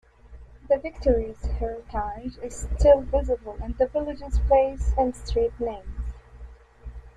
The factory's heritage is still visible in the village's place and street names.